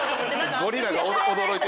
ゴリラが驚いてる。